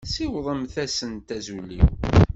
Siwḍemt-asent azul-iw.